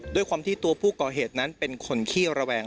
ด้วยความที่ตัวผู้ก่อเหตุนั้นเป็นคนขี้ระแวง